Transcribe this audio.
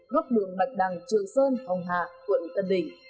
góc đường bạch đằng trường sơn hồng hạ quận tân đình